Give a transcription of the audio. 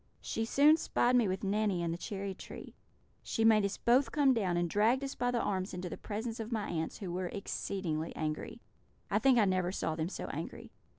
She soon spied me with Nanny in the cherry tree. She made us both come down, and dragged us by the arms into the presence of my aunts, who were exceedingly angry; I think I never saw them so angry.